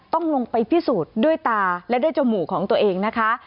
ต้องลงไปพิสูจน์ด้วยตาและด้วยจมูกของตัวเองนะคะ